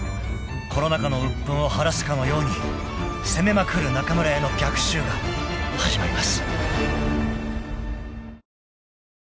［コロナ禍の鬱憤を晴らすかのように攻めまくる中村屋の逆襲が始まります］